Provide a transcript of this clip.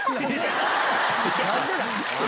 何でなん？